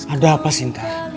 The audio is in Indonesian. ada apa sinta